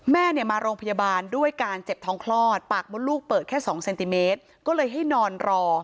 แม่เนี่ยมาโรงพยาบาลด้วยการเจ็บท้องคลอดปากมดลูกเปิดแค่๒เซนติเมตรก็เลยให้นอนรอ